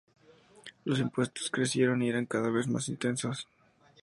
Los impuestos crecieron y eran cada vez más intensos.